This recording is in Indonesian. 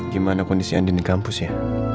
gimana kondisi anda di kampus ya